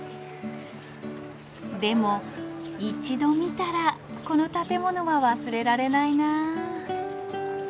でも一度見たらこの建物は忘れられないな。